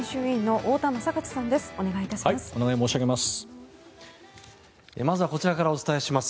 お願い申し上げます。